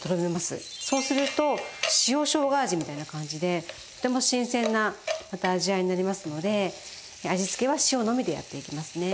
そうすると塩しょうが味みたいな感じでとても新鮮な味わいになりますので味つけは塩のみでやっていきますね。